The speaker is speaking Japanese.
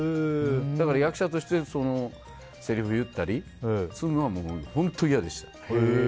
役者としてせりふを言ったりそういうのは本当に嫌でした。